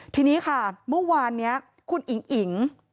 ทีนี้ค่ะเมื่อวานนี้คุณอิ๋งอิ๋ง